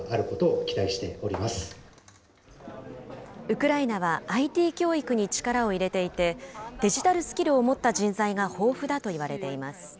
ウクライナはＩＴ教育に力を入れていて、デジタルスキルを持った人材が豊富だといわれています。